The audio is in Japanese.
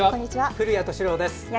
古谷敏郎です。